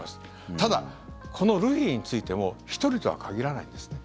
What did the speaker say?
ただ、このルフィについても１人とは限らないんですね。